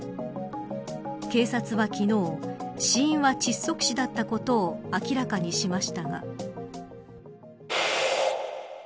警察は昨日死因は窒息死だったことを明らかにしましたが。